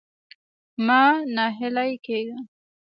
مه ناهيلی کېږه.